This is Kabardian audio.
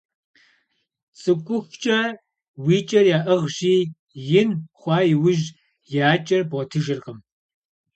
Цӏыкӏухукӏэ уи кӏэр яӏыгъщи, ин хъуа иужь я кӏэр бгъуэтыжыркъым.